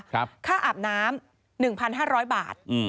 ค่าอาบน้ำ๑๕๐๐บาท